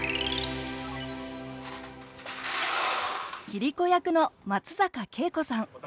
桐子役の松坂慶子さん。